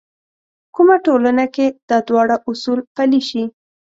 کومه ټولنه کې دا دواړه اصول پلي شي.